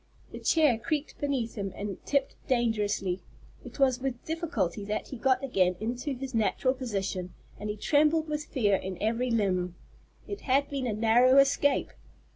The chair creaked beneath him and tipped dangerously. It was with difficulty that he got again into his natural position, and he trembled with fear in every limb. It had been a narrow escape.